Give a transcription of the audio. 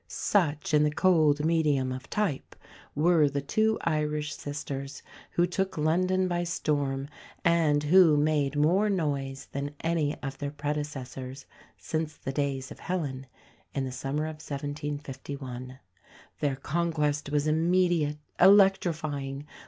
Such, in the cold medium of type, were the two Irish sisters who took London by storm, and who "made more noise than any of their predecessors since the days of Helen," in the summer of 1751. Their conquest was immediate, electrifying.